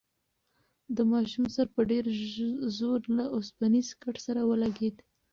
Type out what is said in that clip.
د ماشوم سر په ډېر زور له اوسپنیز کټ سره ولگېد.